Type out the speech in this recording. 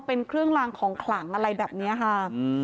เป็นเครื่องลางของขลังอะไรแบบนี้ค่ะ